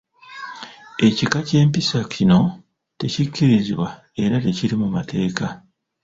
Ekika ky'empisa kino tekikkirizibwa era tekiri mu mateeka.